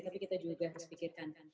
tapi kita juga harus pikirkan kan